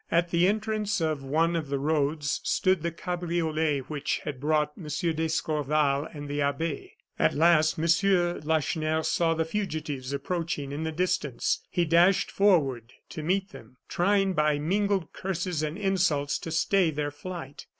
At the entrance of one of the roads stood the cabriolet which had brought M. d'Escorval and the abbe. At last M. Lacheneur saw the fugitives approaching in the distance. He dashed forward, to meet them, trying by mingled curses and insults to stay their flight.